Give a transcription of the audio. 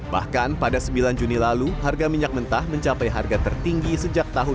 bahkan pada sembilan juni lalu harga minyak mentah mencapai harga tertinggi sejak tahun dua ribu dua puluh